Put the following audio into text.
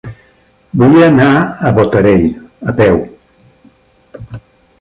Vull anar a Botarell a peu.